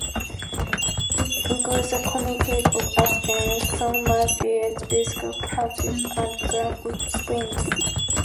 It includes the communities of Aspen, Snowmass Village, Basalt, Carbondale, and Glenwood Springs.